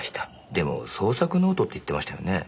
でも創作ノートって言ってましたよね？